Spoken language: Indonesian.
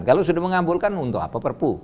kalau sudah mengabulkan untuk apa perpu